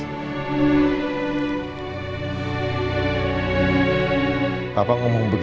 rma ngreati penggemaran itu pilet